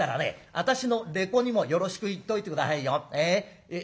私のれこにもよろしく言っといて下さいよ。